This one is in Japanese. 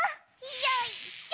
よいしょ！